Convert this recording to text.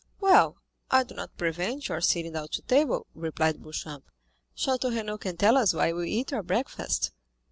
"Well, I do not prevent your sitting down to table," replied Beauchamp, "Château Renaud can tell us while we eat our breakfast."